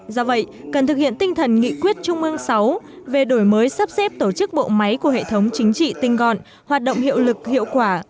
do vậy cần thực hiện tinh thần nghị quyết trung ương sáu về đổi mới sắp xếp tổ chức bộ máy của hệ thống chính trị tinh gọn hoạt động hiệu lực hiệu quả